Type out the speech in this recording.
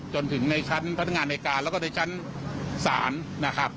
จนถึงในชั้นพนักงานในการแล้วก็ในชั้นศาลนะครับ